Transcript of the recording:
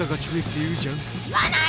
言わない！